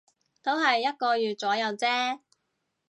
都係一個月左右啫